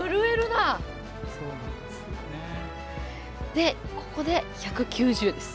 でここで１９０です。